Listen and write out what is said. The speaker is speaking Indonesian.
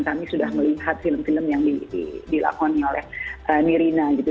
kami sudah melihat film film yang dilakoni oleh nirina gitu